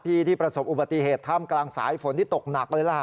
ที่ประสบอุบัติเหตุท่ามกลางสายฝนที่ตกหนักเลยล่ะ